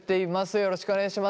よろしくお願いします。